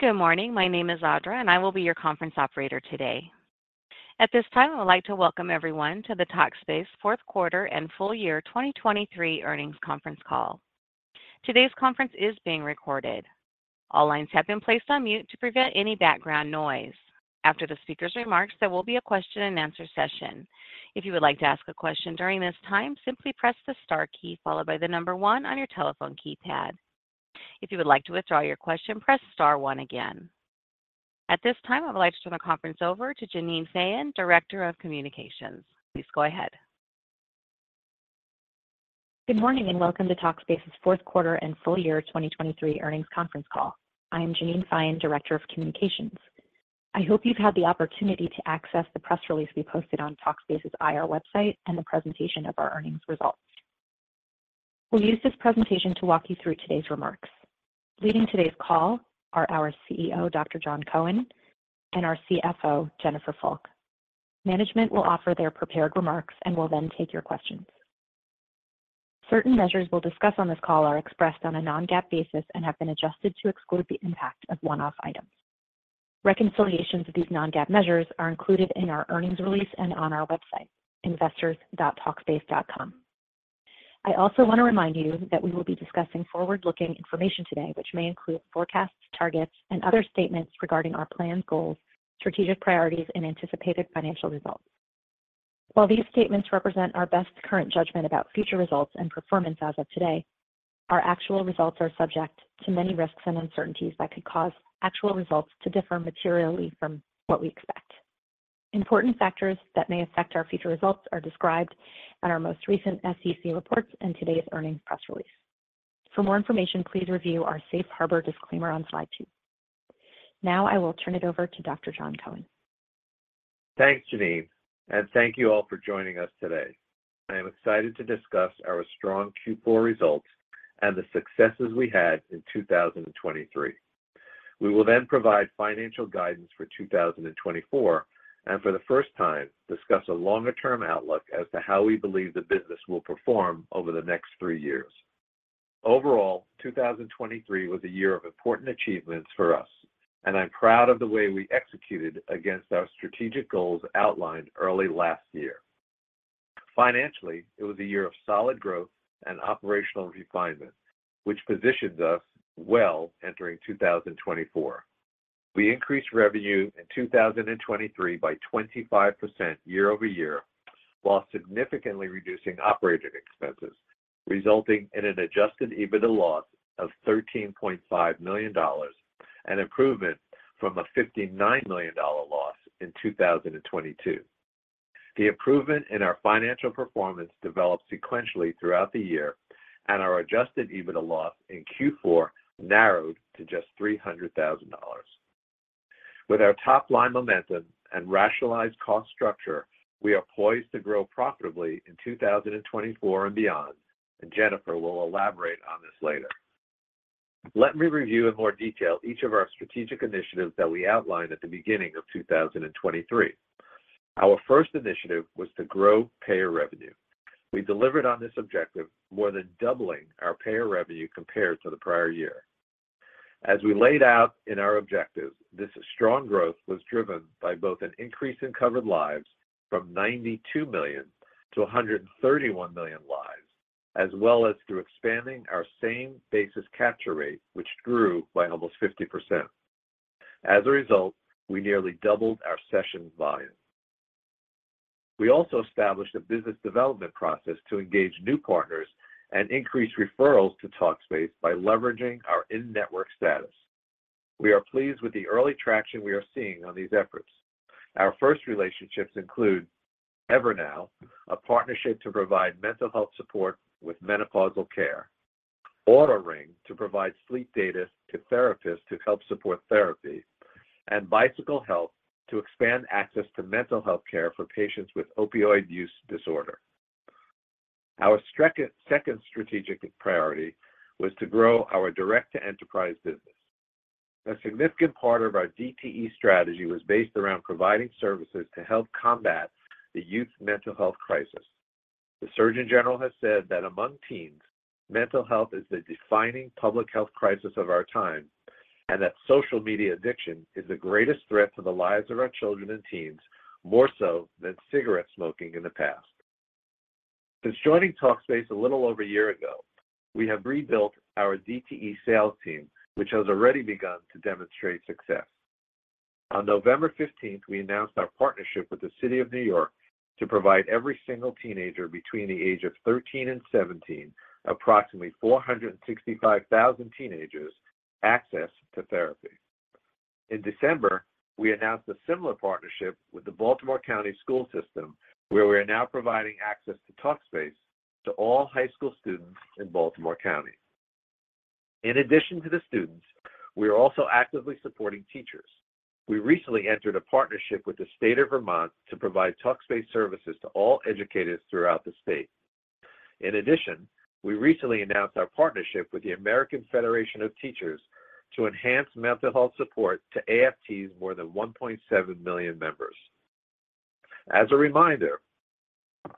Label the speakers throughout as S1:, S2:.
S1: Good morning. My name is Audra, and I will be your conference operator today. At this time, I would like to welcome everyone to the Talkspace fourth quarter and full year 2023 earnings conference call. Today's conference is being recorded. All lines have been placed on mute to prevent any background noise. After the speaker's remarks, there will be a question-and-answer session. If you would like to ask a question during this time, simply press the star key followed by the number one on your telephone keypad. If you would like to withdraw your question, press star one again. At this time, I would like to turn the conference over to Jeannine Feyen, Director of Communications. Please go ahead.
S2: Good morning, and welcome to Talkspace's fourth quarter and full year 2023 earnings conference call. I am Jeannine Feyen, Director of Communications. I hope you've had the opportunity to access the press release we posted on Talkspace's IR website and the presentation of our earnings results. We'll use this presentation to walk you through today's remarks. Leading today's call are our CEO, Dr. Jon Cohen, and our CFO, Jennifer Fulk. Management will offer their prepared remarks and will then take your questions. Certain measures we'll discuss on this call are expressed on a non-GAAP basis and have been adjusted to exclude the impact of one-off items. Reconciliations of these non-GAAP measures are included in our earnings release and on our website, investors.talkspace.com. I also want to remind you that we will be discussing forward-looking information today, which may include forecasts, targets, and other statements regarding our plans, goals, strategic priorities, and anticipated financial results. While these statements represent our best current judgment about future results and performance as of today, our actual results are subject to many risks and uncertainties that could cause actual results to differ materially from what we expect. Important factors that may affect our future results are described in our most recent SEC reports and today's earnings press release. For more information, please review our safe harbor disclaimer on slide two. Now, I will turn it over to Dr. Jon Cohen.
S3: Thanks, Jeannine, and thank you all for joining us today. I am excited to discuss our strong Q4 results and the successes we had in 2023. We will then provide financial guidance for 2024, and for the first time, discuss a longer-term outlook as to how we believe the business will perform over the next three years. Overall, 2023 was a year of important achievements for us, and I'm proud of the way we executed against our strategic goals outlined early last year. Financially, it was a year of solid growth and operational refinement, which positions us well entering 2024. We increased revenue in 2023 by 25% year-over-year, while significantly reducing operating expenses, resulting in an Adjusted EBITDA loss of $13.5 million, an improvement from a $59 million loss in 2022. The improvement in our financial performance developed sequentially throughout the year, and our Adjusted EBITDA loss in Q4 narrowed to just $300,000. With our top-line momentum and rationalized cost structure, we are poised to grow profitably in 2024 and beyond, and Jennifer will elaborate on this later. Let me review in more detail each of our strategic initiatives that we outlined at the beginning of 2023. Our first initiative was to grow payer revenue. We delivered on this objective, more than doubling our payer revenue compared to the prior year. As we laid out in our objectives, this strong growth was driven by both an increase in covered lives from 92 million-131 million lives, as well as through expanding our same basis capture rate, which grew by almost 50%. As a result, we nearly doubled our session volume. We also established a business development process to engage new partners and increase referrals to Talkspace by leveraging our in-network status. We are pleased with the early traction we are seeing on these efforts. Our first relationships include Evernow, a partnership to provide mental health support with menopausal care, Oura Ring, to provide sleep data to therapists to help support therapy, and Bicycle Health, to expand access to mental health care for patients with opioid use disorder. Our second strategic priority was to grow our direct-to-enterprise business. A significant part of our DTE strategy was based around providing services to help combat the youth mental health crisis. The Surgeon General has said that among teens, mental health is the defining public health crisis of our time, and that social media addiction is the greatest threat to the lives of our children and teens, more so than cigarette smoking in the past. Since joining Talkspace a little over a year ago, we have rebuilt our DTE sales team, which has already begun to demonstrate success. On November 15th, we announced our partnership with the City of New York to provide every single teenager between the age of 13-17, approximately 465,000 teenagers, access to therapy. In December, we announced a similar partnership with the Baltimore County School System, where we are now providing access to Talkspace to all high school students in Baltimore County. In addition to the students, we are also actively supporting teachers. We recently entered a partnership with the State of Vermont to provide Talkspace services to all educators throughout the state. In addition, we recently announced our partnership with the American Federation of Teachers to enhance mental health support to AFT's more than 1.7 million members. As a reminder,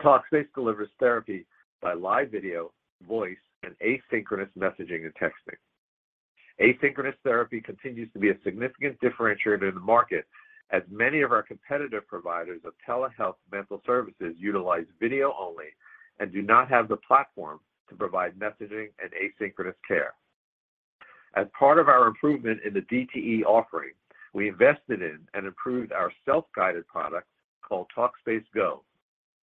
S3: Talkspace delivers therapy by live video, voice, and asynchronous messaging and texting. Asynchronous therapy continues to be a significant differentiator in the market, as many of our competitive providers of telehealth mental services utilize video only and do not have the platform to provide messaging and asynchronous care. As part of our improvement in the DTE offering, we invested in and improved our self-guided product called Talkspace Go,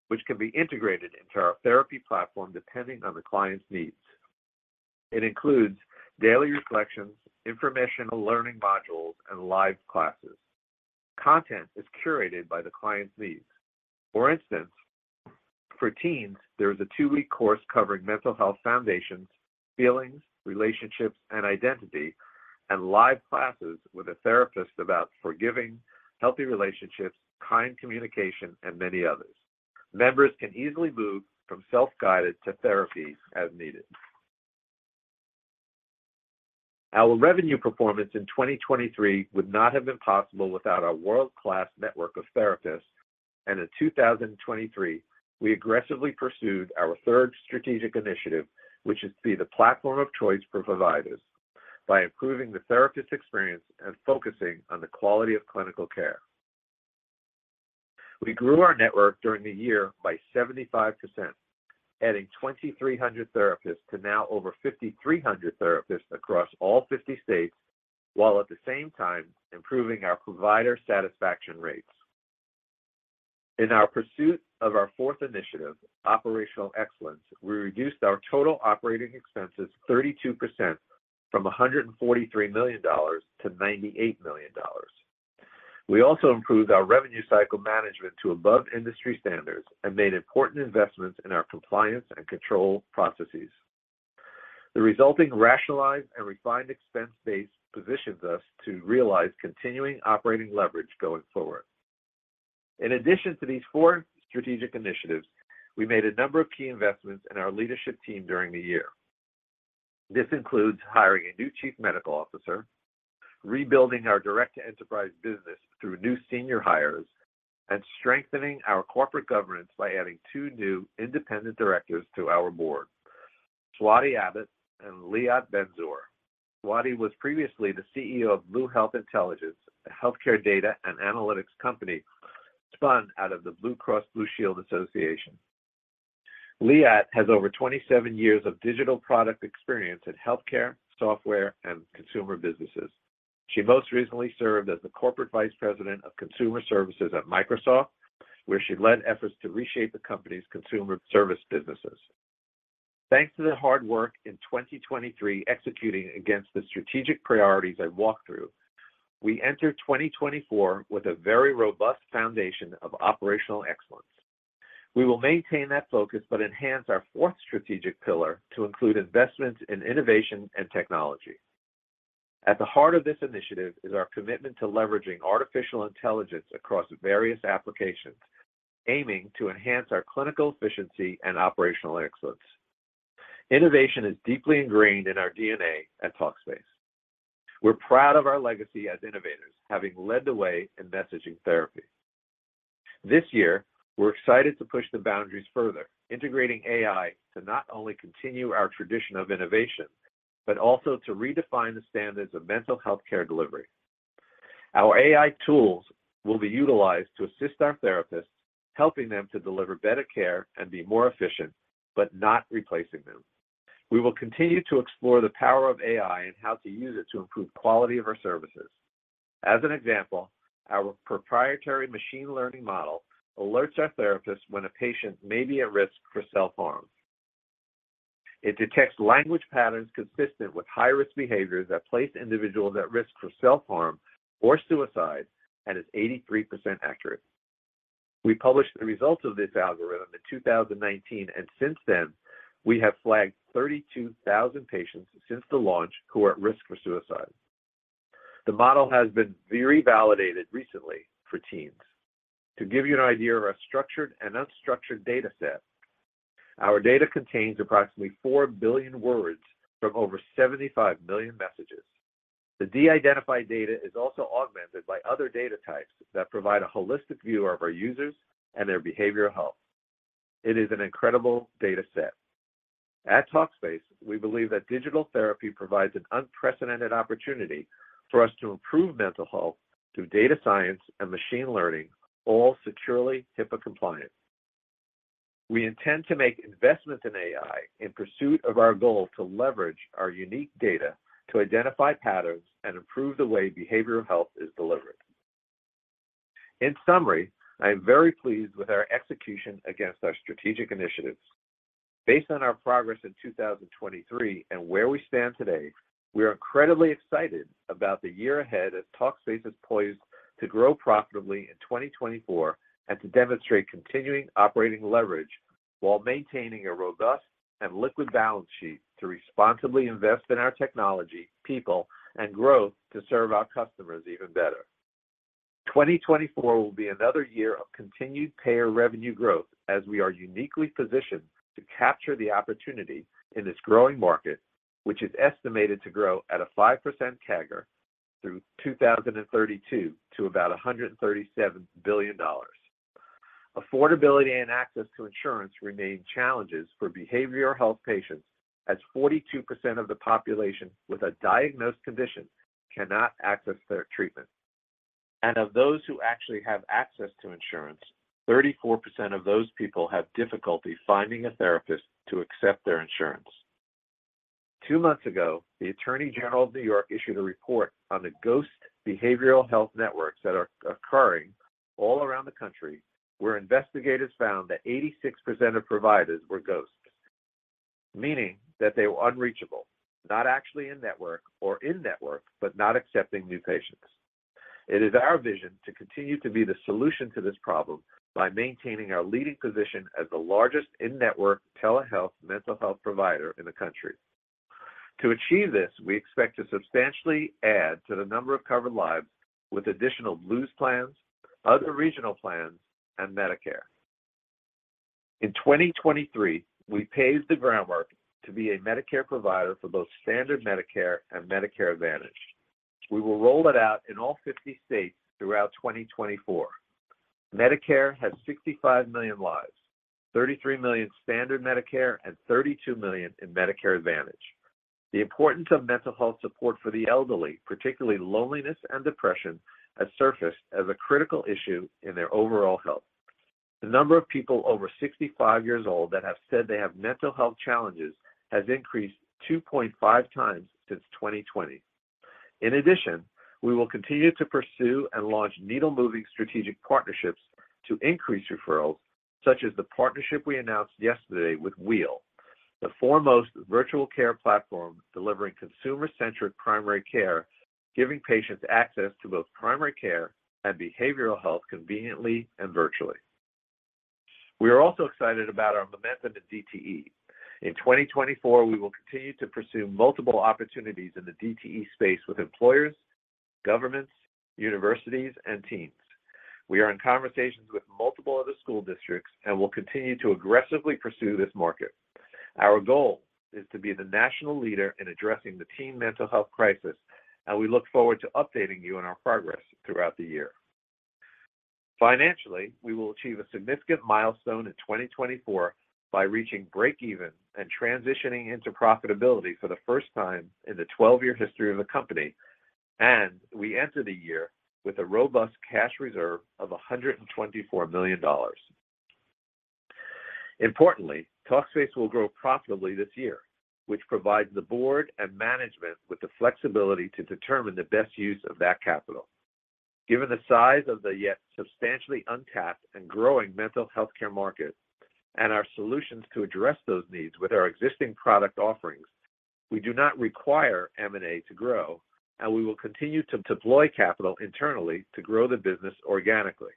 S3: which can be integrated into our therapy platform depending on the client's needs. It includes daily reflections, informational learning modules, and live classes. Content is curated by the client's needs. For instance, for teens, there is a 2-week course covering mental health foundations, feelings, relationships, and identity, and live classes with a therapist about forgiving, healthy relationships, kind communication, and many others. Members can easily move from self-guided to therapy as needed. Our revenue performance in 2023 would not have been possible without our world-class network of therapists, and in 2023, we aggressively pursued our third strategic initiative, which is to be the platform of choice for providers by improving the therapist experience and focusing on the quality of clinical care. We grew our network during the year by 75%, adding 2,300 therapists to now over 5,300 therapists across all 50 states, while at the same time improving our provider satisfaction rates. In our pursuit of our fourth initiative, operational excellence, we reduced our total operating expenses 32% from $143 million-$98 million. We also improved our revenue cycle management to above industry standards and made important investments in our compliance and control processes. The resulting rationalized and refined expense base positions us to realize continuing operating leverage going forward. In addition to these four strategic initiatives, we made a number of key investments in our leadership team during the year. This includes hiring a new chief medical officer, rebuilding our direct-to-enterprise business through new senior hires, and strengthening our corporate governance by adding two new independent directors to our board, Swati Abbott and Liat Ben-Zur. Swati was previously the CEO of Blue Health Intelligence, a healthcare data and analytics company spun out of the Blue Cross Blue Shield Association. Liat has over 27 years of digital product experience in healthcare, software, and consumer businesses. She most recently served as the corporate vice president of consumer services at Microsoft, where she led efforts to reshape the company's consumer service businesses. Thanks to the hard work in 2023 executing against the strategic priorities I walked through, we enter 2024 with a very robust foundation of operational excellence. We will maintain that focus but enhance our fourth strategic pillar to include investments in innovation and technology. At the heart of this initiative is our commitment to leveraging artificial intelligence across various applications, aiming to enhance our clinical efficiency and operational excellence. Innovation is deeply ingrained in our DNA at Talkspace. We're proud of our legacy as innovators, having led the way in messaging therapy. This year, we're excited to push the boundaries further, integrating AI to not only continue our tradition of innovation, but also to redefine the standards of mental health care delivery. Our AI tools will be utilized to assist our therapists, helping them to deliver better care and be more efficient, but not replacing them. We will continue to explore the power of AI and how to use it to improve quality of our services. As an example, our proprietary machine learning model alerts our therapists when a patient may be at risk for self-harm. It detects language patterns consistent with high-risk behaviors that place individuals at risk for self-harm or suicide, and is 83% accurate. We published the results of this algorithm in 2019, and since then, we have flagged 32,000 patients since the launch who are at risk for suicide. The model has been revalidated recently for teens. To give you an idea of our structured and unstructured data set, our data contains approximately 4 billion words from over 75 million messages. The de-identified data is also augmented by other data types that provide a holistic view of our users and their behavioral health. It is an incredible data set. At Talkspace, we believe that digital therapy provides an unprecedented opportunity for us to improve mental health through data science and machine learning, all securely HIPAA compliant. We intend to make investments in AI in pursuit of our goal to leverage our unique data to identify patterns and improve the way behavioral health is delivered. In summary, I am very pleased with our execution against our strategic initiatives. Based on our progress in 2023 and where we stand today, we are incredibly excited about the year ahead as Talkspace is poised to grow profitably in 2024 and to demonstrate continuing operating leverage while maintaining a robust and liquid balance sheet to responsibly invest in our technology, people, and growth to serve our customers even better. 2024 will be another year of continued payer revenue growth, as we are uniquely positioned to capture the opportunity in this growing market, which is estimated to grow at a 5% CAGR, through 2032 to about $137 billion. Affordability and access to insurance remain challenges for behavioral health patients, as 42% of the population with a diagnosed condition cannot access their treatment. Of those who actually have access to insurance, 34% of those people have difficulty finding a therapist to accept their insurance. Two months ago, the Attorney General of New York issued a report on the ghost behavioral health networks that are occurring all around the country, where investigators found that 86% of providers were ghosts, meaning that they were unreachable, not actually in-network or in-network, but not accepting new patients. It is our vision to continue to be the solution to this problem by maintaining our leading position as the largest in-network telehealth mental health provider in the country. To achieve this, we expect to substantially add to the number of covered lives with additional blues plans, other regional plans, and Medicare. In 2023, we paved the groundwork to be a Medicare provider for both standard Medicare and Medicare Advantage. We will roll it out in all 50 states throughout 2024. Medicare has 65 million lives, 33 million standard Medicare, and 32 million in Medicare Advantage. The importance of mental health support for the elderly, particularly loneliness and depression, has surfaced as a critical issue in their overall health. The number of people over 65 years old that have said they have mental health challenges has increased 2.5x since 2020. In addition, we will continue to pursue and launch needle-moving strategic partnerships to increase referrals, such as the partnership we announced yesterday with Wheel, the foremost virtual care platform delivering consumer-centric primary care, giving patients access to both primary care and behavioral health conveniently and virtually. We are also excited about our momentum in DTE. In 2024, we will continue to pursue multiple opportunities in the DTE space with employers, governments, universities, and teens. We are in conversations with multiple other school districts and will continue to aggressively pursue this market. Our goal is to be the national leader in addressing the teen mental health crisis, and we look forward to updating you on our progress throughout the year. Financially, we will achieve a significant milestone in 2024 by reaching breakeven and transitioning into profitability for the first time in the 12-year history of the company, and we enter the year with a robust cash reserve of $124 million. Importantly, Talkspace will grow profitably this year, which provides the board and management with the flexibility to determine the best use of that capital. Given the size of the yet substantially untapped and growing mental health care market and our solutions to address those needs with our existing product offerings, we do not require M&A to grow, and we will continue to deploy capital internally to grow the business organically.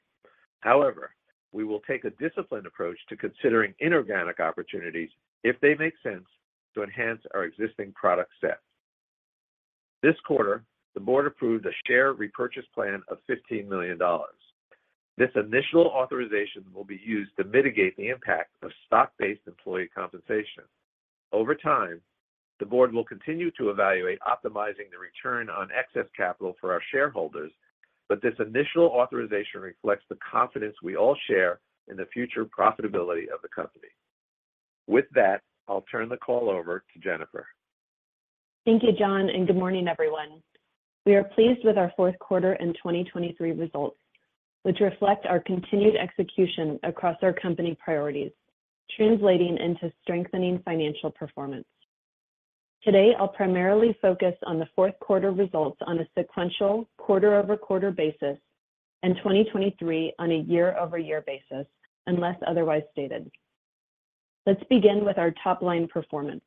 S3: However, we will take a disciplined approach to considering inorganic opportunities if they make sense to enhance our existing product set. This quarter, the board approved a share repurchase plan of $15 million. This initial authorization will be used to mitigate the impact of stock-based employee compensation. Over time, the board will continue to evaluate optimizing the return on excess capital for our shareholders, but this initial authorization reflects the confidence we all share in the future profitability of the company. With that, I'll turn the call over to Jennifer. Thank you, John, and good morning, everyone. We are pleased with our fourth quarter and 2023 results, which reflect our continued execution across our company priorities, translating into strengthening financial performance. Today, I'll primarily focus on the fourth quarter results on a sequential, quarter-over-quarter basis and 2023 on a year-over-year basis, unless otherwise stated. Let's begin with our top-line performance.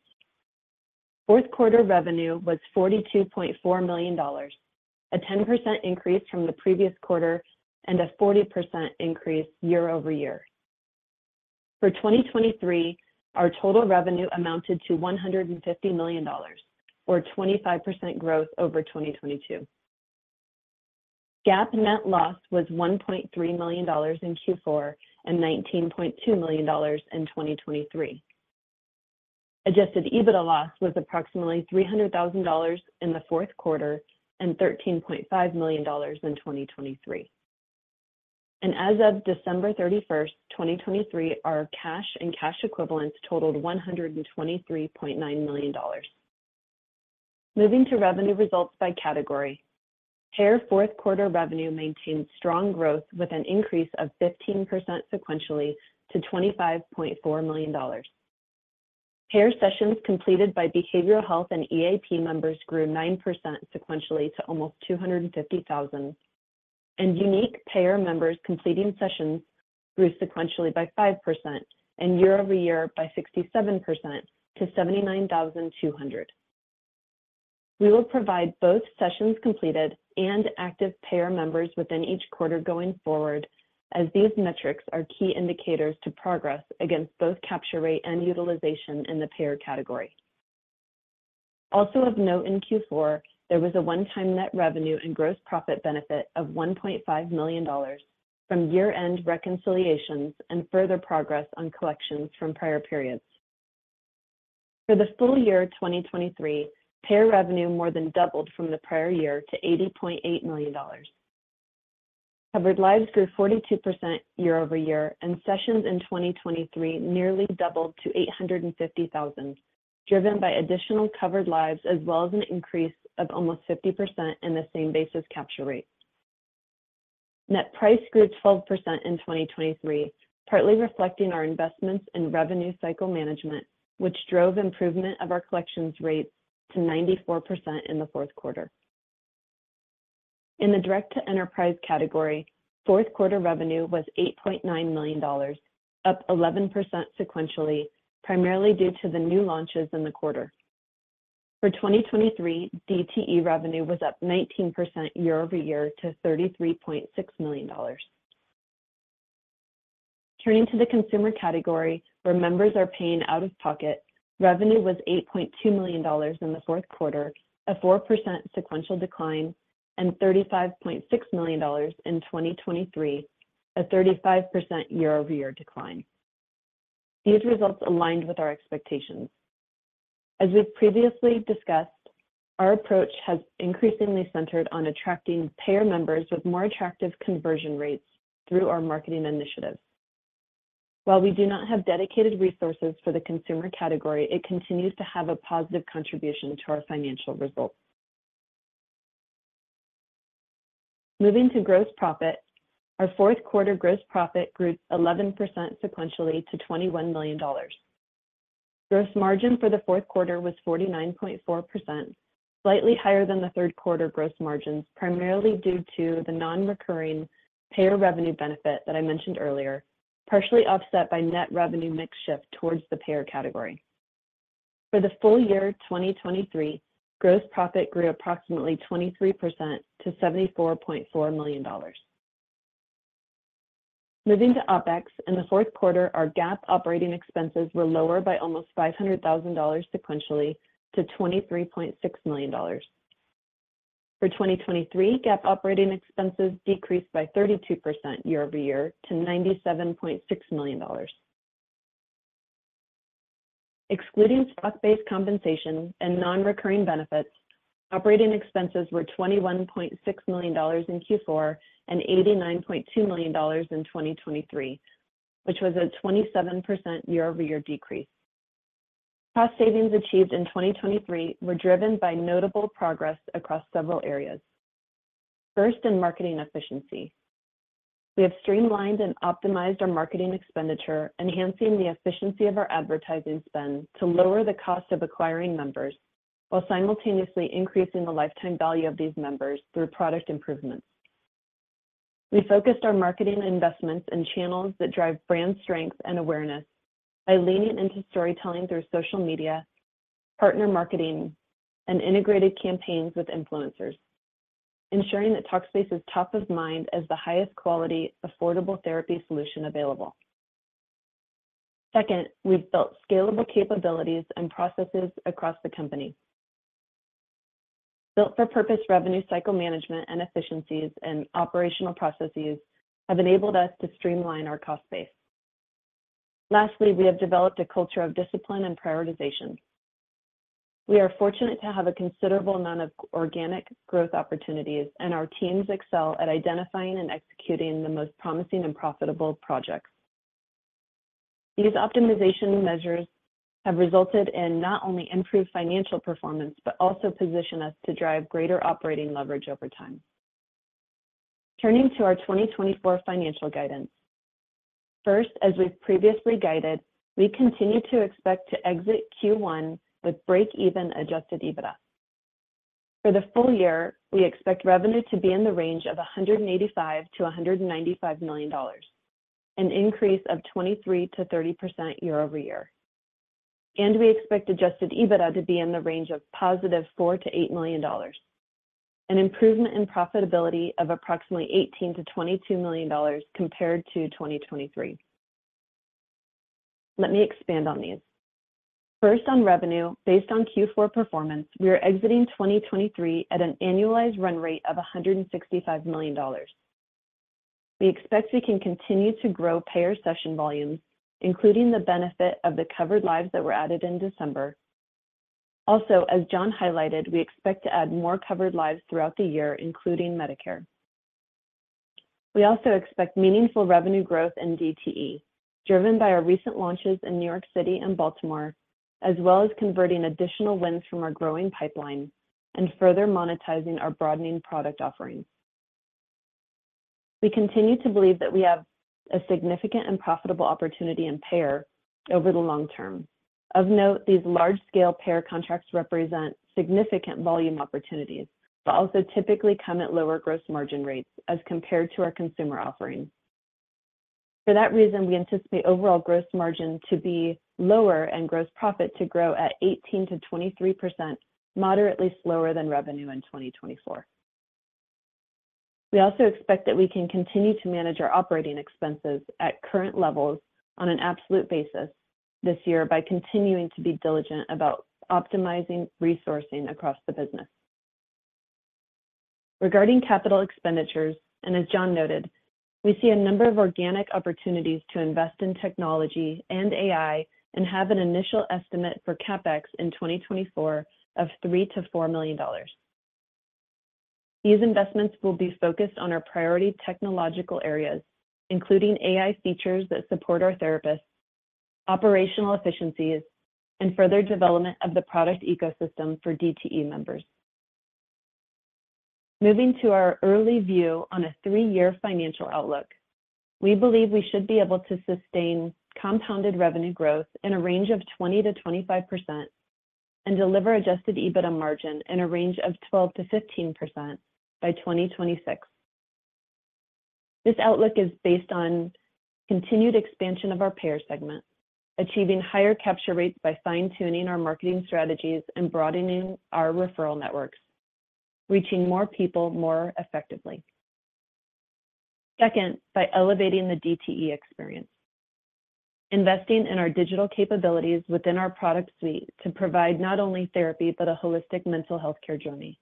S3: Fourth quarter revenue was $42.4 million, a 10% increase from the previous quarter and a 40% increase year-over-year. For 2023, our total revenue amounted to $150 million, or 25% growth over 2022. GAAP net loss was $1.3 million in Q4 and $19.2 million in 2023. Adjusted EBITDA loss was approximately $300,000 in the fourth quarter and $13.5 million in 2023. As of December 31st, 2023, our cash and cash equivalents totaled $123.9 million. Moving to revenue results by category. Payer fourth quarter revenue maintained strong growth, with an increase of 15% sequentially to $25.4 million. Payer sessions completed by behavioral health and EAP members grew 9% sequentially to almost 250,000, and unique payer members completing sessions grew sequentially by 5% and year-over-year by 67% to 79,200. We will provide both sessions completed and active payer members within each quarter going forward, as these metrics are key indicators to progress against both capture rate and utilization in the payer category. Also of note in Q4, there was a one-time net revenue and gross profit benefit of $1.5 million from year-end reconciliations and further progress on collections from prior periods. For the full year of 2023, payer revenue more than doubled from the prior year to $80.8 million. Covered Lives grew 42% year-over-year, and sessions in 2023 nearly doubled to 850,000, driven by additional Covered Lives, as well as an increase of almost 50% in the Same-Basis Capture Rate. Net price grew 12% in 2023, partly reflecting our investments in Revenue Cycle Management, which drove improvement of our collections rates to 94% in the fourth quarter. In the direct-to-enterprise category, fourth quarter revenue was $8.9 million, up 11% sequentially, primarily due to the new launches in the quarter. For 2023, DTE revenue was up 19% year-over-year to $33.6 million. Turning to the consumer category, where members are paying out-of-pocket, revenue was $8.2 million in the fourth quarter, a 4% sequential decline, and $35.6 million in 2023, a 35% year-over-year decline. These results aligned with our expectations. As we've previously discussed, our approach has increasingly centered on attracting payer members with more attractive conversion rates through our marketing initiatives. While we do not have dedicated resources for the consumer category, it continues to have a positive contribution to our financial results. Moving to gross profit, our fourth quarter gross profit grew 11% sequentially to $21 million. Gross margin for the fourth quarter was 49.4%, slightly higher than the third quarter gross margins, primarily due to the non-recurring payer revenue benefit that I mentioned earlier, partially offset by net revenue mix shift towards the payer category. For the full year 2023, gross profit grew approximately 23% to $74.4 million. Moving to OpEx, in the fourth quarter, our GAAP operating expenses were lower by almost $500,000 sequentially to $23.6 million. For 2023, GAAP operating expenses decreased by 32% year-over-year to $97.6 million. Excluding stock-based compensation and non-recurring benefits, operating expenses were $21.6 million in Q4 and $89.2 million in 2023, which was a 27% year-over-year decrease. Cost savings achieved in 2023 were driven by notable progress across several areas. First, in marketing efficiency. We have streamlined and optimized our marketing expenditure, enhancing the efficiency of our advertising spend to lower the cost of acquiring members, while simultaneously increasing the lifetime value of these members through product improvements. We focused our marketing investments in channels that drive brand strength and awareness by leaning into storytelling through social media, partner marketing, and integrated campaigns with influencers, ensuring that Talkspace is top of mind as the highest quality, affordable therapy solution available. Second, we've built scalable capabilities and processes across the company. Built-for-purpose revenue cycle management and efficiencies and operational processes have enabled us to streamline our cost base. Lastly, we have developed a culture of discipline and prioritization. We are fortunate to have a considerable amount of organic growth opportunities, and our teams excel at identifying and executing the most promising and profitable projects. These optimization measures have resulted in not only improved financial performance, but also position us to drive greater operating leverage over time. Turning to our 2024 financial guidance. First, as we've previously guided, we continue to expect to exit Q1 with break-even Adjusted EBITDA. For the full year, we expect revenue to be in the range of $185 million-$195 million, an increase of 23%-30% year-over-year and we expect Adjusted EBITDA to be in the range of +$4 million-$8 million, an improvement in profitability of approximately $18 million-$22 million compared to 2023. Let me expand on these. First, on revenue, based on Q4 performance, we are exiting 2023 at an annualized run rate of $165 million. We expect we can continue to grow payer session volumes, including the benefit of the covered lives that were added in December. Also, as Jon highlighted, we expect to add more covered lives throughout the year, including Medicare. We also expect meaningful revenue growth in DTE, driven by our recent launches in New York City and Baltimore, as well as converting additional wins from our growing pipeline and further monetizing our broadening product offerings. We continue to believe that we have a significant and profitable opportunity in payer over the long term. Of note, these large-scale payer contracts represent significant volume opportunities, but also typically come at lower gross margin rates as compared to our consumer offerings. For that reason, we anticipate overall gross margin to be lower and gross profit to grow at 18%-23%, moderately slower than revenue in 2024. We also expect that we can continue to manage our operating expenses at current levels on an absolute basis this year by continuing to be diligent about optimizing resourcing across the business. Regarding capital expenditures, and as John noted, we see a number of organic opportunities to invest in technology and AI, and have an initial estimate for CapEx in 2024 of $3 million-$4 million. These investments will be focused on our priority technological areas, including AI features that support our therapists, operational efficiencies, and further development of the product ecosystem for DTE members. Moving to our early view on a three-year financial outlook, we believe we should be able to sustain compounded revenue growth in a range of 20%-25%, and deliver Adjusted EBITDA margin in a range of 12%-15% by 2026. This outlook is based on continued expansion of our payer segment, achieving higher capture rates by fine-tuning our marketing strategies and broadening our referral networks, reaching more people more effectively. Second, by elevating the DTE experience, investing in our digital capabilities within our product suite to provide not only therapy, but a holistic mental health care journey.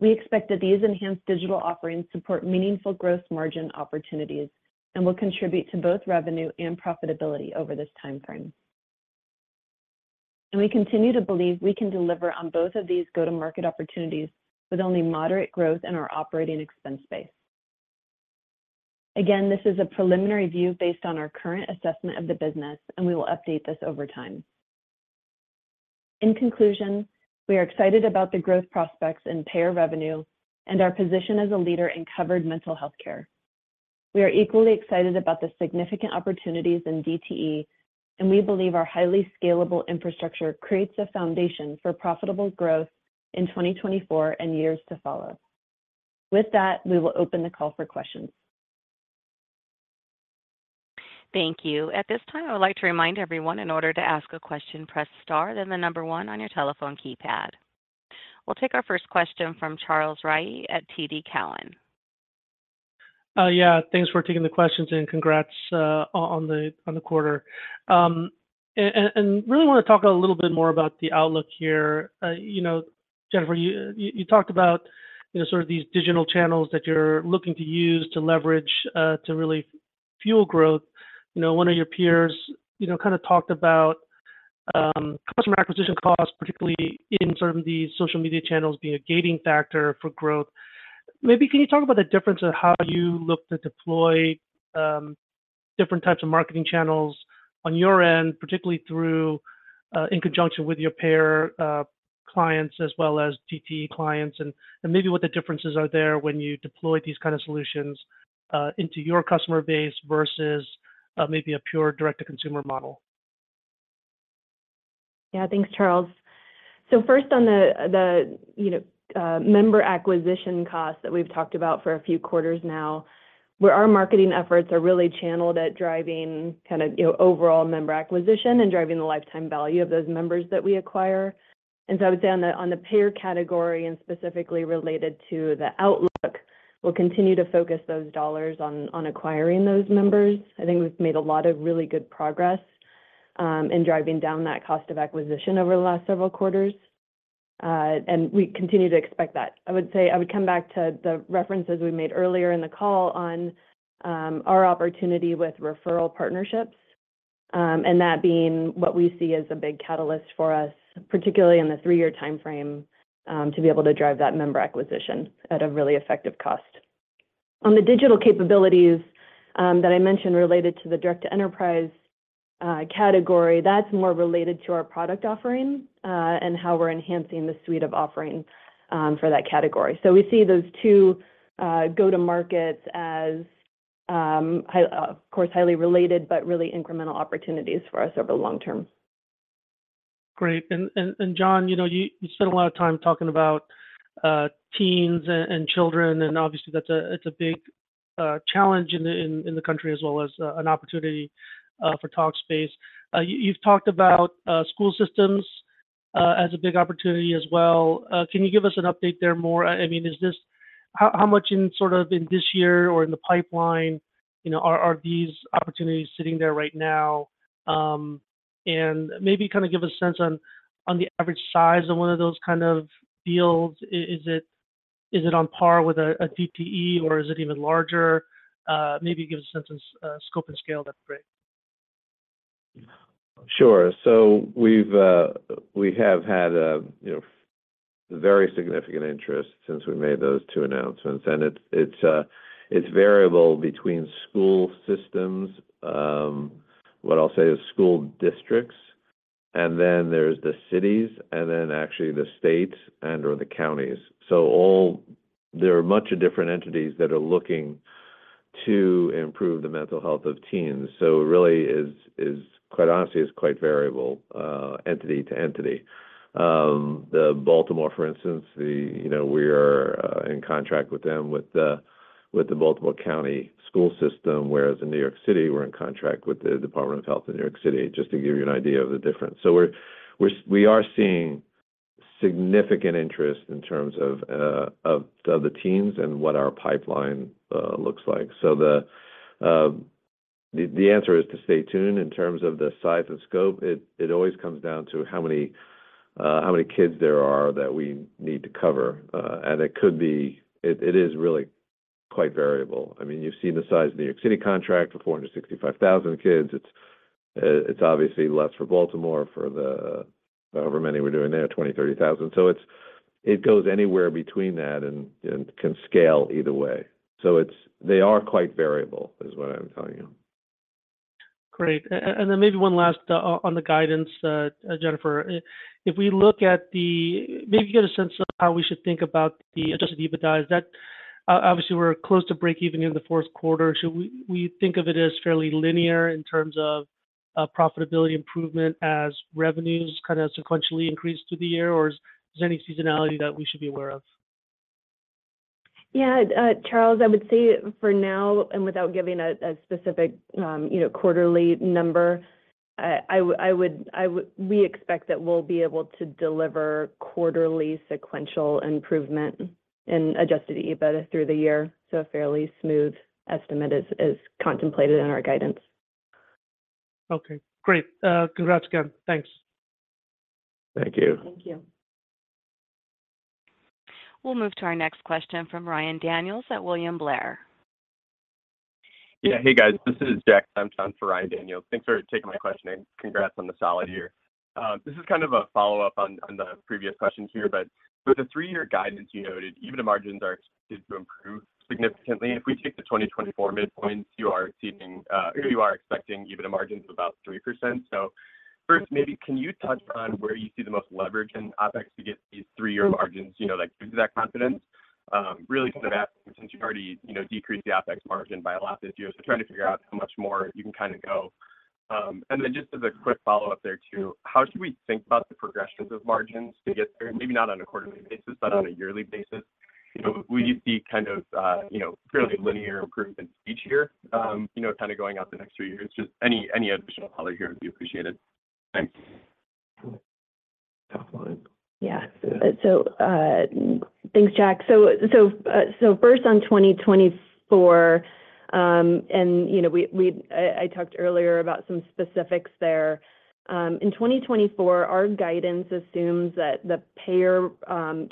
S3: We expect that these enhanced digital offerings support meaningful gross margin opportunities and will contribute to both revenue and profitability over this timeframe. We continue to believe we can deliver on both of these go-to-market opportunities with only moderate growth in our operating expense base. Again, this is a preliminary view based on our current assessment of the business, and we will update this over time. In conclusion, we are excited about the growth prospects in payer revenue and our position as a leader in covered mental health care. We are equally excited about the significant opportunities in DTE, and we believe our highly scalable infrastructure creates a foundation for profitable growth in 2024 and years to follow. With that, we will open the call for questions.
S1: Thank you. At this time, I would like to remind everyone, in order to ask a question, press star, then the number one on your telephone keypad. We'll take our first question from Charles Rhyee at TD Cowen.
S4: Yeah, thanks for taking the questions, and congrats on the quarter. Really want to talk a little bit more about the outlook here. You know, Jennifer, you talked about, you know, sort of these digital channels that you're looking to use to leverage to really fuel growth. You know, one of your peers, you know, kind of talked about customer acquisition costs, particularly in sort of these social media channels, being a gating factor for growth. Maybe can you talk about the difference in how you look to deploy different types of marketing channels on your end, particularly through in conjunction with your payer clients as well as DTE clients, and, and maybe what the differences are there when you deploy these kind of solutions into your customer base versus maybe a pure direct-to-consumer model?
S5: Yeah. Thanks, Charles. So first on the you know member acquisition costs that we've talked about for a few quarters now, where our marketing efforts are really channeled at driving kind of you know overall member acquisition and driving the lifetime value of those members that we acquire. So I would say on the payer category, and specifically related to the outlook, we'll continue to focus those dollars on acquiring those members. I think we've made a lot of really good progress in driving down that cost of acquisition over the last several quarters, and we continue to expect that. I would say I would come back to the references we made earlier in the call on our opportunity with referral partnerships, and that being what we see as a big catalyst for us, particularly in the three-year timeframe, to be able to drive that member acquisition at a really effective cost. On the digital capabilities that I mentioned related to the direct to enterprise category, that's more related to our product offering, and how we're enhancing the suite of offerings for that category. So we see those two go to market as, of course, highly related, but really incremental opportunities for us over the long term.
S4: Great. Jon, you know, you spent a lot of time talking about teens and children, and obviously that's a big challenge in the country, as well as an opportunity for Talkspace. You've talked about school systems as a big opportunity as well. Can you give us an update there more? I mean, is this how much, sort of, in this year or in the pipeline, you know, are these opportunities sitting there right now? Maybe kind of give a sense on the average size of one of those kind of deals. Is it on par with a DTE, or is it even larger? Maybe give a sense of scope and scale, that's great.
S3: Sure. So we've, we have had, you know, very significant interest since we made those two announcements, and it, it's variable between school systems, what I'll say is school districts, and then there's the cities, and then actually the states and/or the counties. So all there are much of different entities that are looking to improve the mental health of teens. So it really is quite honestly quite variable, entity to entity. The Baltimore, for instance, the, you know, we are in contract with them with the, with the Baltimore County School System, whereas in New York City, we're in contract with the Department of Health in New York City, just to give you an idea of the difference. So we are seeing significant interest in terms of the teens and what our pipeline looks like. So the answer is to stay tuned in terms of the size and scope. It always comes down to how many kids there are that we need to cover and it could be, it is really quite variable. I mean, you've seen the size of the New York City contract for 465,000 kids. It's obviously less for Baltimore, for the however many we're doing there, 20,000-30,000. So it goes anywhere between that and can scale either way. So they are quite variable, is what I'm telling you.
S4: Great. Then maybe one last on the guidance, Jennifer. If we look at the... Maybe get a sense of how we should think about the Adjusted EBITDA. Is that... Obviously, we're close to breakeven in the fourth quarter. Should we think of it as fairly linear in terms of profitability improvement as revenues kind of sequentially increase through the year, or is there any seasonality that we should be aware of?
S5: Yeah, Charles, I would say for now, and without giving a specific, you know, quarterly number, we expect that we'll be able to deliver quarterly sequential improvement in Adjusted EBITDA through the year, so a fairly smooth estimate is contemplated in our guidance.
S4: Okay, great. Congrats again. Thanks.
S3: Thank you.
S5: Thank you.
S1: We'll move to our next question from Ryan Daniels at William Blair.
S6: Yeah. Hey, guys. This is Jack for Ryan Daniels. Thanks for taking my question, and congrats on the solid year. This is kind of a follow-up on the previous questions here, but with the three-year guidance you noted, EBITDA margins are expected to improve significantly. If we take the 2024 midpoint, you are achieving, you are expecting EBITDA margins of about 3%. So first, maybe can you touch on where you see the most leverage in OpEx to get these three-year margins, you know, like, gives you that confidence? Really since you've already, you know, decreased the OpEx margin by a lot this year, so trying to figure out how much more you can kind of go. Then just as a quick follow-up there, too, how should we think about the progressions of margins to get there? Maybe not on a quarterly basis, but on a yearly basis. You know, will you see kind of, you know, fairly linear improvement each year, you know, kind of going out the next three years? Just any, any additional color here would be appreciated. Thanks.
S3: Top line.
S5: Yeah. So, thanks, Jack. So first on 2024, and you know, we I talked earlier about some specifics there. In 2024, our guidance assumes that the payer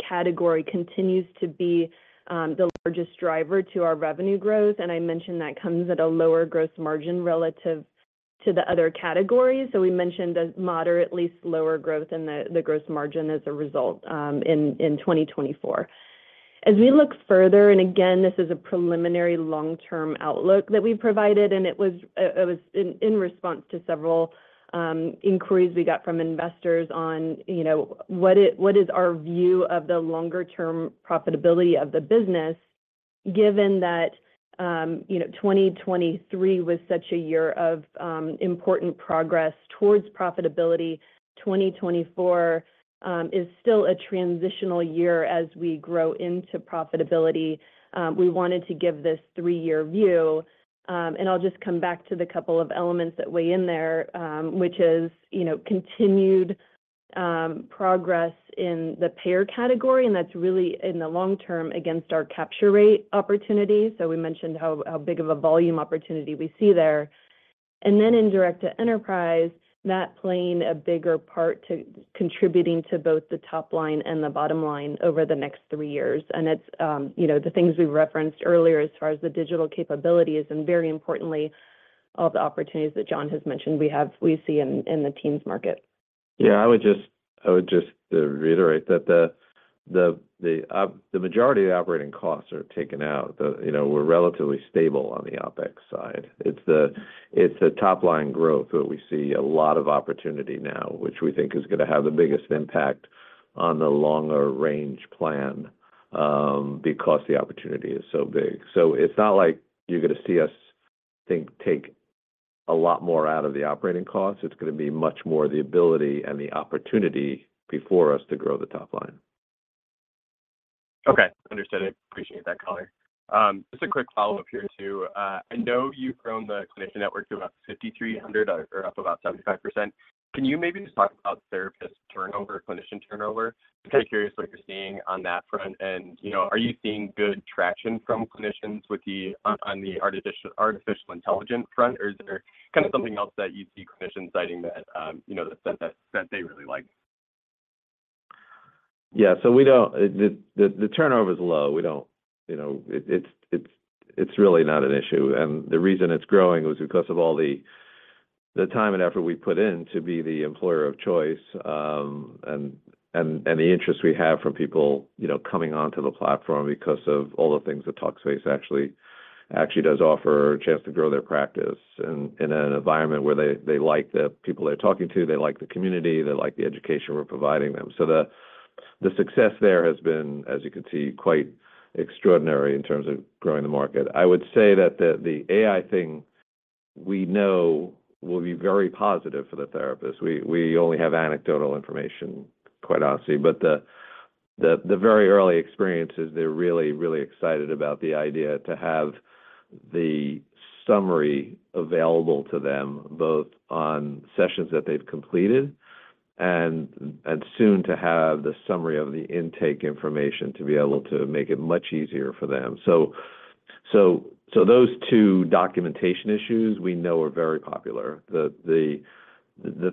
S5: category continues to be the largest driver to our revenue growth, and I mentioned that comes at a lower gross margin relative to the other categories. So we mentioned a moderately lower growth in the gross margin as a result, in 2024. As we look further, and again, this is a preliminary long-term outlook that we provided, and it was in response to several inquiries we got from investors on, you know, what is our view of the longer-term profitability of the business, given that, you know, 2023 was such a year of important progress towards profitability. 2024 is still a transitional year as we grow into profitability. We wanted to give this three-year view, and I'll just come back to the couple of elements that weigh in there, which is, you know, continued progress in the payer category, and that's really in the long term against our capture rate opportunity. So we mentioned how big of a volume opportunity we see there. Then in direct to enterprise, that playing a bigger part to contributing to both the top line and the bottom line over the next three years and it's, you know, the things we referenced earlier as far as the digital capabilities, and very importantly, all the opportunities that John has mentioned we see in the teens market.
S3: Yeah, I would just, I would just reiterate that the majority of operating costs are taken out. You know, we're relatively stable on the OpEx side. It's the top-line growth that we see a lot of opportunity now, which we think is gonna have the biggest impact on the longer range plan, because the opportunity is so big. So it's not like you're gonna see us think take a lot more out of the operating costs. It's gonna be much more the ability and the opportunity before us to grow the top line.
S6: Okay, understood. I appreciate that color. Just a quick follow-up here, too. I know you've grown the clinician network to about 5,300 or up about 75%. Can you maybe just talk about therapist turnover, clinician turnover?
S5: Sure.
S6: I'm curious what you're seeing on that front and, you know, are you seeing good traction from clinicians with on the artificial intelligence front, or is there kind of something else that you see clinicians citing that, you know, that they really like?
S3: Yeah. So we don't... The turnover is low. We don't... you know, it's really not an issue. And the reason it's growing is because of all the time and effort we put in to be the employer of choice, and the interest we have from people, you know, coming onto the platform because of all the things that Talkspace actually does offer, a chance to grow their practice in an environment where they like the people they're talking to, they like the community, they like the education we're providing them. So the success there has been, as you can see, quite extraordinary in terms of growing the market. I would say that the AI thing we know will be very positive for the therapist. We only have anecdotal information, quite honestly, but the very early experiences, they're really, really excited about the idea to have the summary available to them, both on sessions that they've completed and soon to have the summary of the intake information to be able to make it much easier for them. So those two documentation issues we know are very popular. The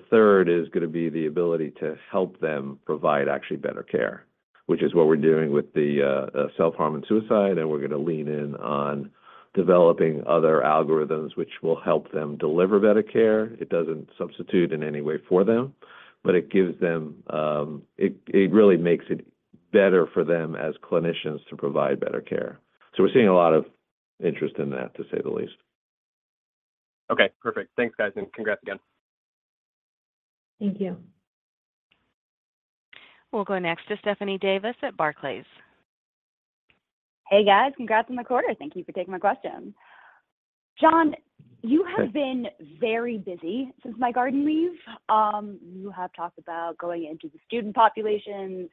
S3: third is going to be the ability to help them provide actually better care, which is what we're doing with the self-harm and suicide, and we're going to lean in on developing other algorithms which will help them deliver better care. It doesn't substitute in any way for them, but it gives them... It really makes it better for them as clinicians to provide better care. We're seeing a lot of interest in that, to say the least.
S6: Okay, perfect. Thanks, guys, and congrats again.
S5: Thank you.
S1: We'll go next to Stephanie Davis at Barclays.
S7: Hey, guys. Congrats on the quarter. Thank you for taking my question. Jon, you have been very busy since my garden leave. You have talked about going into the student populations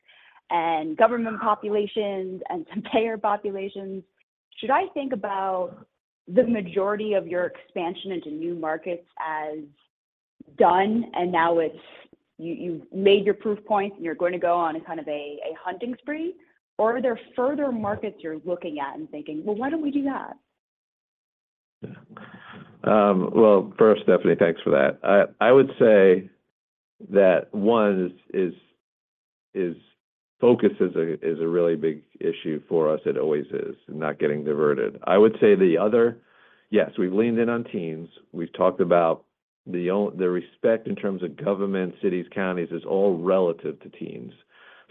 S7: and government populations and some payer populations. Should I think about the majority of your expansion into new markets as done, and now you, you've made your proof points, and you're going to go on a kind of a hunting spree or are there further markets you're looking at and thinking, "Well, why don't we do that?
S3: Well, first, Stephanie, thanks for that. I would say that one is focus is a really big issue for us. It always is, and not getting diverted. I would say the other... Yes, we've leaned in on teens. We've talked about the opportunity in terms of government, cities, counties, all relative to teens.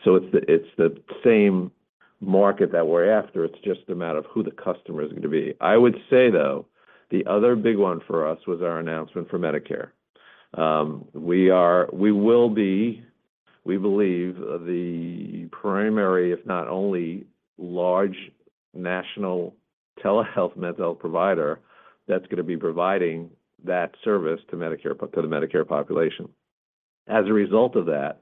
S3: So it's the same market that we're after. It's just a matter of who the customer is going to be. I would say, though, the other big one for us was our announcement for Medicare. We will be, we believe, the primary, if not only, large national telehealth mental health provider that's going to be providing that service to the Medicare population. As a result of that,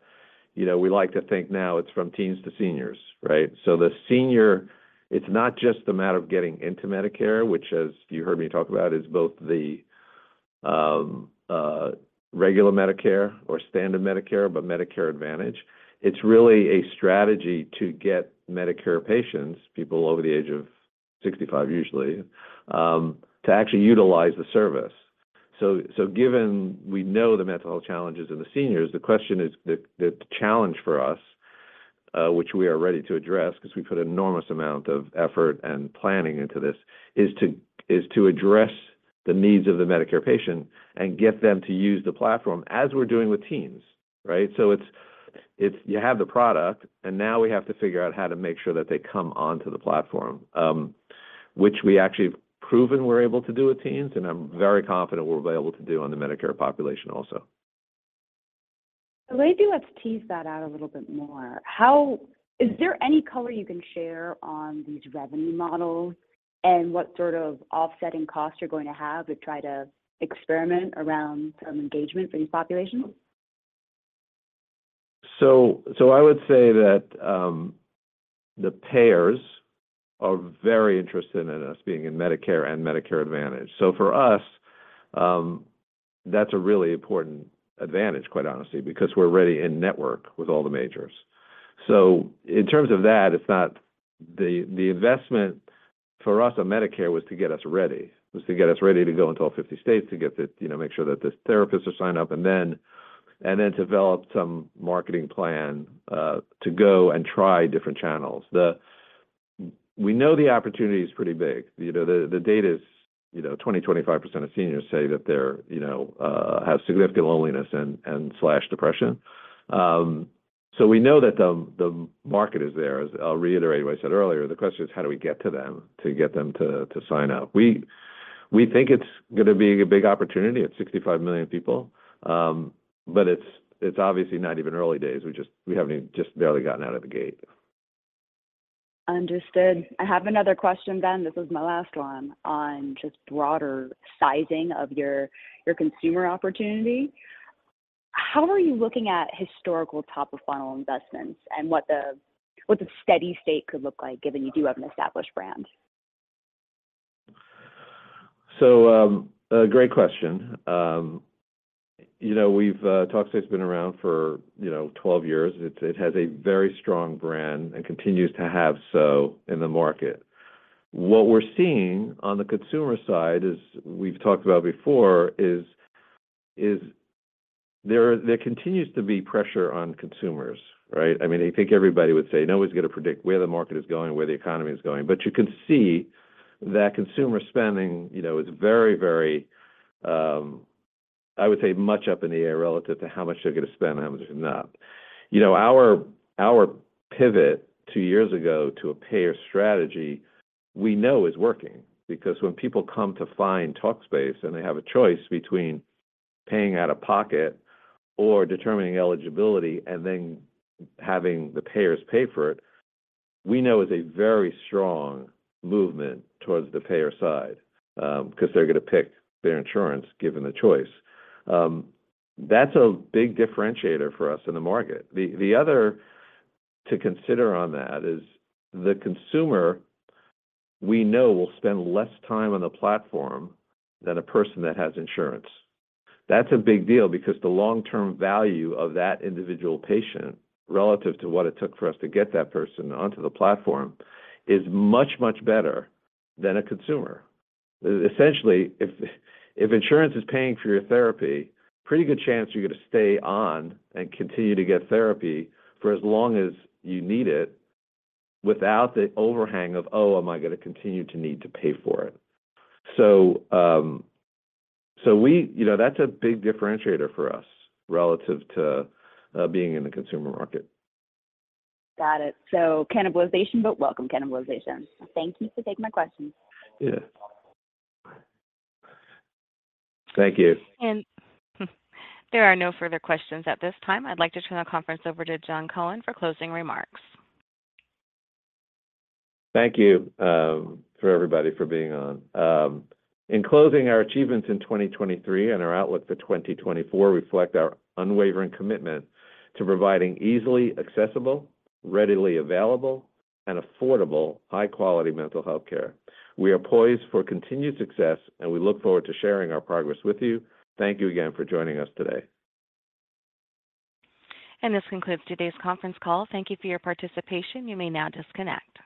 S3: you know, we like to think now it's from teens to seniors, right? So the seniors, it's not just a matter of getting into Medicare, which, as you heard me talk about, is both the, regular Medicare or standard Medicare, but Medicare Advantage. It's really a strategy to get Medicare patients, people over the age of 65, usually, to actually utilize the service. So given we know the mental health challenges of the seniors, the question is... the challenge for us, which we are ready to address, because we put an enormous amount of effort and planning into this, is to address the needs of the Medicare patient and get them to use the platform as we're doing with teens, right? So it's, you have the product, and now we have to figure out how to make sure that they come onto the platform, which we actually have proven we're able to do with teens, and I'm very confident we'll be able to do on the Medicare population also.
S7: So let's tease that out a little bit more. Is there any color you can share on these revenue models and what sort of offsetting costs you're going to have to try to experiment around some engagement for these populations?
S3: So I would say that the payers are very interested in us being in Medicare and Medicare Advantage. So for us, that's a really important advantage, quite honestly, because we're already in network with all the majors. So in terms of that, it's not... The investment for us on Medicare was to get us ready to go into all 50 states, to get the, you know, make sure that the therapists are signed up, and then develop some marketing plan to go and try different channels. We know the opportunity is pretty big. You know, the data is, you know, 20%-25% of seniors say that they're, you know, have significant loneliness and depression. So we know that the market is there. As I'll reiterate what I said earlier, the question is: how do we get to them to get them to sign up? We think it's going to be a big opportunity. It's 65 million people, but it's obviously not even early days. We just—we haven't even just barely gotten out of the gate.
S7: Understood. I have another question then, this is my last one, on just broader sizing of your, your consumer opportunity. How are you looking at historical top-of-funnel investments and what the, what the steady state could look like, given you do have an established brand?
S3: So, a great question. You know, we've... Talkspace's been around for, you know, 12 years. It, it has a very strong brand and continues to have so in the market. What we're seeing on the consumer side is, we've talked about before, is, is there, there continues to be pressure on consumers, right? I mean, I think everybody would say, no one's going to predict where the market is going or where the economy is going, but you can see that consumer spending, you know, is very, very, I would say, much up in the air relative to how much they're going to spend and how much is not. You know, our pivot two years ago to a payer strategy, we know is working because when people come to find Talkspace and they have a choice between paying out of pocket or determining eligibility and then having the payers pay for it, we know is a very strong movement towards the payer side, because they're going to pick their insurance, given the choice. That's a big differentiator for us in the market. The other to consider on that is the consumer we know will spend less time on the platform than a person that has insurance. That's a big deal because the long-term value of that individual patient, relative to what it took for us to get that person onto the platform, is much, much better than a consumer. Essentially, if insurance is paying for your therapy, pretty good chance you're going to stay on and continue to get therapy for as long as you need it, without the overhang of, "Oh, am I going to continue to need to pay for it?" So, you know, that's a big differentiator for us, relative to being in the consumer market.
S7: Got it. So cannibalization, but welcome cannibalization. Thank you for taking my questions.
S3: Yeah. Thank you.
S1: There are no further questions at this time. I'd like to turn the conference over to Jon Cohen for closing remarks.
S3: Thank you, for everybody for being on. In closing, our achievements in 2023 and our outlook for 2024 reflect our unwavering commitment to providing easily accessible, readily available, and affordable high-quality mental health care. We are poised for continued success, and we look forward to sharing our progress with you. Thank you again for joining us today.
S1: This concludes today's conference call. Thank you for your participation. You may now disconnect.